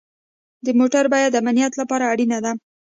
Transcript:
د موټر بیمه د امنیت لپاره اړینه ده.